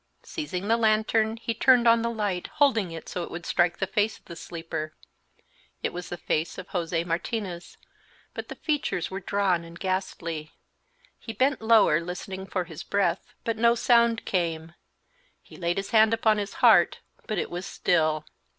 Seizing the lantern, he turned on the light, holding it so it would strike the face of the sleeper. It was the face of José Martinez, but the features were drawn and ghastly. He bent lower, listening for his breath, but no sound came; he laid his hand upon his heart, but it was still.